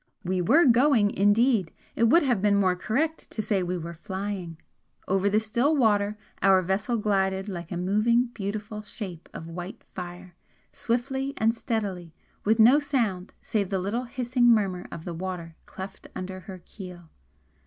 We were 'going' indeed, it would have been more correct to say we were flying. Over the still water our vessel glided like a moving beautiful shape of white fire, swiftly and steadily, with no sound save the little hissing murmur of the water cleft under her keel.